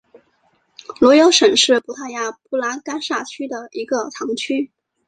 罗尤什是葡萄牙布拉干萨区的一个堂区。